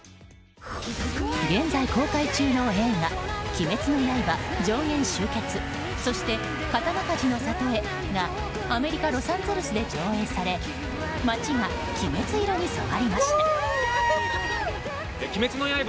現在公開中の映画「鬼滅の刃“上弦集結、そして刀鍛冶の里へ”」がアメリカ・ロサンゼルスで上映され「鬼滅の刃」